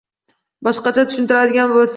Boshqacha tushuntiradigan bo‘lsak